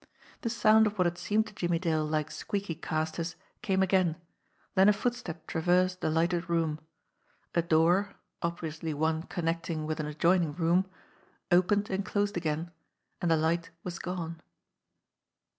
The sound of what had seemed to Jimmie Dale like squeaky casters came again, then a footstep traversed the lighted room, a door obviously one connecting with an 56 JIMMIE DALE AND THE PHANTOM CLUE adjoining room opened and closed again, and the light was gone.